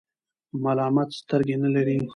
ملامت سترګي نلری .